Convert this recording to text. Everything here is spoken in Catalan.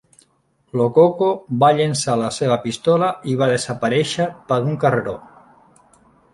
Lococo va llençar la seva pistola i va desaparèixer per un carreró.